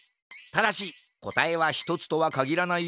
ただしこたえはひとつとはかぎらない